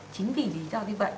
chính vì lý do như vậy